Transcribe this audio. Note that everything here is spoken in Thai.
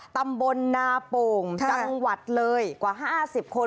ตำบลนาโป่งจังหวัดเลยกว่า๕๐คน